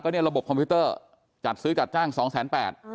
เนี่ยระบบคอมพิวเตอร์จัดซื้อจัดจ้างสองแสนแปด